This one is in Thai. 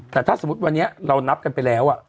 แต่ถ้าสมมุติวันนี้เรานับกันไปแล้ว